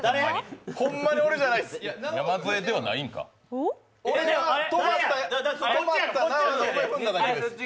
ほんまに俺じゃないです。